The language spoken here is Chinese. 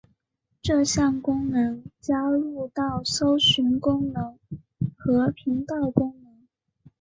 这项功能加入到了搜寻功能和频道功能。